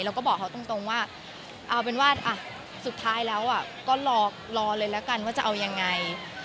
แล้วก็บอกเขาตรงว่าเอาเป็นว่าสุดท้ายแล้วก็รอเลยแล้วกันว่าจะเอายังไง